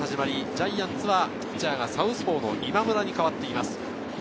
ジャイアンツはピッチャーがサウスポーの今村に代わっています。